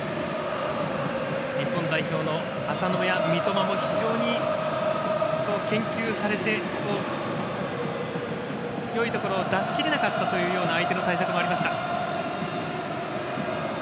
日本代表の浅野や三笘も非常に研究されてよいところを出しきれなかったという相手の対策もありました。